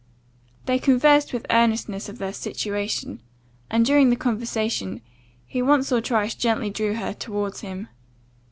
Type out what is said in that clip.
They conversed with earnestness of their situation; and, during the conversation, he once or twice gently drew her towards him.